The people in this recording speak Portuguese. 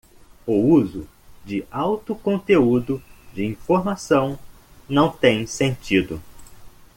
O uso de alto conteúdo de informação não tem sentido.